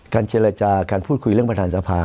เจรจาการพูดคุยเรื่องประธานสภา